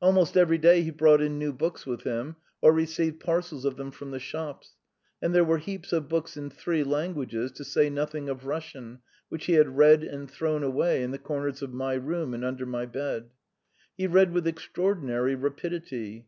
Almost every day he brought in new books with him or received parcels of them from the shops, and there were heaps of books in three languages, to say nothing of Russian, which he had read and thrown away, in the corners of my room and under my bed. He read with extraordinary rapidity.